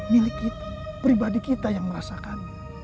milik kita pribadi kita yang merasakan